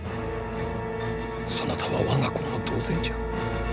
そなたは我が子も同然じゃ。